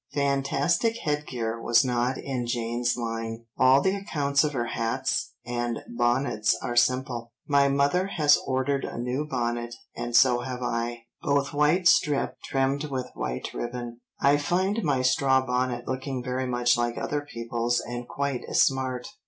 Fantastic headgear was not in Jane's line, all the accounts of her hats and bonnets are simple. "My mother has ordered a new bonnet and so have I; both white strip trimmed with white ribbon. I find my straw bonnet looking very much like other people's and quite as smart.